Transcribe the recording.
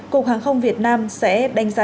cục hàng không việt nam sẽ đánh giá